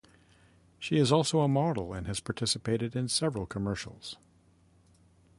She is also a model and has participated in several commercials.